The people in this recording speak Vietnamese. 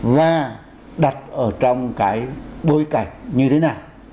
và đặt ở trong cái bối cảnh như thế nào